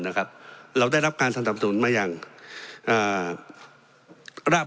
นะครับเราได้รับการสนับสนุนมาอย่างอ่าราบ